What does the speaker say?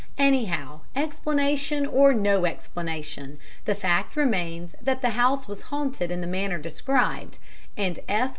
Anyhow, explanation or no explanation, the fact remains the house was haunted in the manner described, and F.